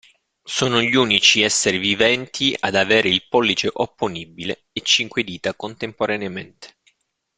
Sono gli unici essere viventi ad avere il pollice opponibile e cinque dita contemporaneamente.